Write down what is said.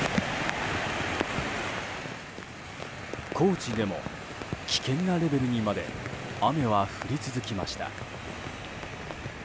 高知でも危険なレベルにまで雨は降り続きました。